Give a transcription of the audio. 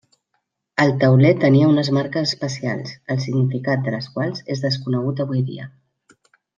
El tauler tenia unes marques especials, el significat de les quals és desconegut avui dia.